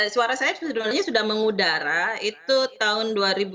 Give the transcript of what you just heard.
suara saya sebenarnya sudah mengudara itu tahun dua ribu dua puluh